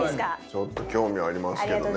ちょっと興味ありますけどね。